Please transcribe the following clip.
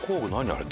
あれ。